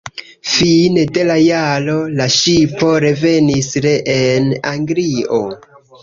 Fine de la jaro la ŝipo revenis reen Anglion.